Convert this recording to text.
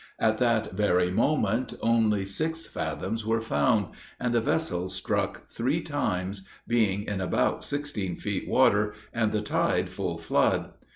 At that very moment only six fathoms were found; and the vessel struck three times, being in about sixteen feet water, and the tide full flood.